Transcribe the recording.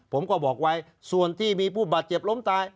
ผมก็บอกไว้ส่วนที่มีผู้บาดเจ็บล้มตาย